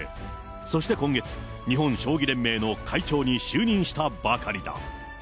そして今月、日本将棋連盟の会長に就任したばかりだ。